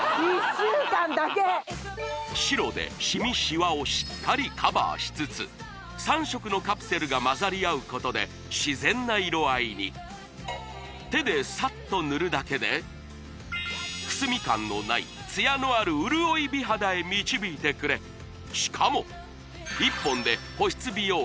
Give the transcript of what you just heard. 白でシミシワをしっかりカバーしつつ３色のカプセルが混ざり合うことで自然な色合いに手でサッと塗るだけでくすみ感のないツヤのある潤い美肌へ導いてくれしかも１本で保湿美容